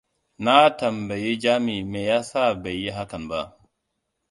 Na tambayi Jami me yasa bai yi hakan ba.